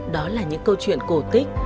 đó là những câu chuyện cổ tích